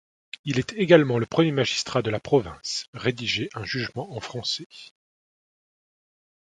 Il est également le premier magistrat de la province rédiger un jugement en français.